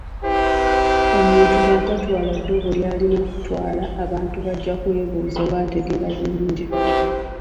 Omuntu bw'atatwala ddobo ly’alina kutwala, abantu bajja kwebuuza oba ng’ategeera bulungi.